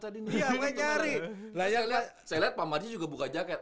saya lihat pak marji juga buka jaket